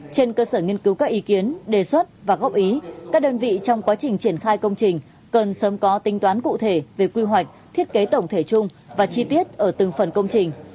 trên cơ sở nghiên cứu các ý kiến đề xuất và góp ý các đơn vị trong quá trình triển khai công trình cần sớm có tính toán cụ thể về quy hoạch thiết kế tổng thể chung và chi tiết ở từng phần công trình